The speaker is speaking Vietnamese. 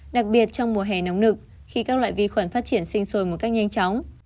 đặc biệt trong mùa hè nóng nực khi các loại vi khuẩn phát triển sinh sôi một cách nhanh chóng